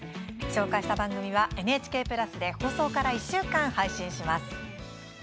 紹介した番組はＮＨＫプラスで放送から１週間、配信します。